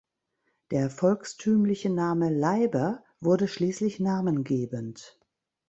Der volkstümliche Name "Leiber" wurde schließlich namengebend.